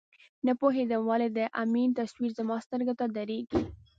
نه پوهېدم ولې د امین تصویر زما سترګو ته درېږي.